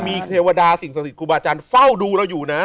มีเทวดาสิ่งศักดิ์ครูบาอาจารย์เฝ้าดูเราอยู่นะ